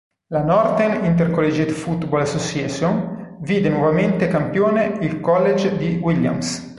La Northern Intercollegiate Football Association vide nuovamente campione il college di Williams.